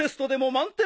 満点！？